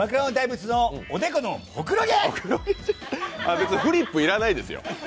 別にフリップ要らないですよ。